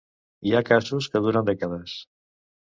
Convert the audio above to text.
Hi ha casos que duren dècades.